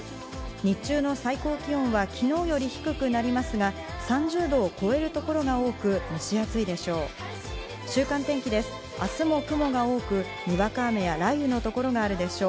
日中の最高気温は昨日より低くなりますが、３０度を超える所が多く蒸し暑いでしょう。